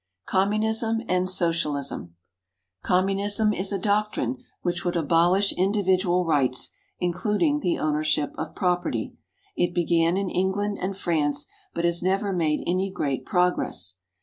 =Communism and Socialism.= Communism is a doctrine which would abolish individual rights, including the ownership of property. It began in England and France, but has never made any great progress.